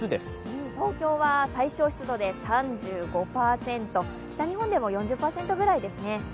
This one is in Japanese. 東京は最小湿度で３５％、北日本でも４０％ぐらいですね。